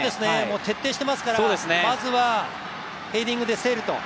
徹底していますからまずはヘディングで競ると。